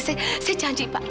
saya janji pak